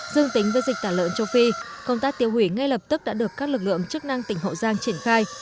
dương tính với dịch tả lợn châu phi công tác tiêu hủy ngay lập tức đã được các lực lượng chức năng tỉnh hậu giang triển khai